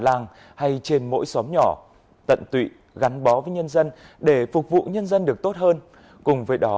làng hay trên mỗi xóm nhỏ tận tụy gắn bó với nhân dân để phục vụ nhân dân được tốt hơn cùng với đó